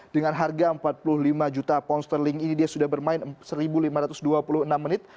dengan harga empat puluh lima juta pound sterling ini dia sudah bermain satu lima ratus dua puluh enam menit